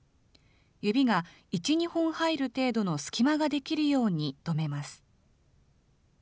指が１、２本入る程度の隙間ができるように留めます。